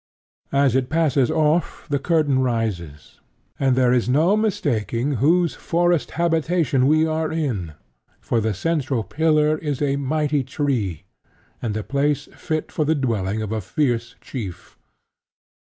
As it passes off, the curtain rises; and there is no mistaking whose forest habitation we are in; for the central pillar is a mighty tree, and the place fit for the dwelling of a fierce chief.